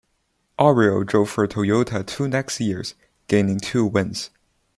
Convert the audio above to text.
Auriol drove for Toyota two next years, gaining two wins.